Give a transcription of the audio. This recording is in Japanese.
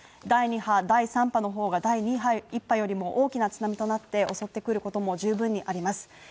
第２波、第３波の方が第１波よりも大きな津波となって襲ってくることも十分にあります